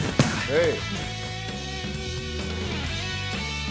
はい！